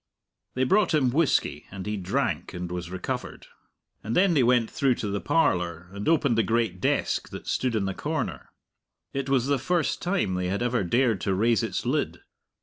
They brought him whisky, and he drank and was recovered. And then they went through to the parlour, and opened the great desk that stood in the corner. It was the first time they had ever dared to raise its lid.